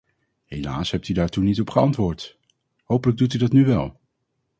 Helaas hebt u daar toen niet op geantwoord; hopelijk doet u dat nu wel.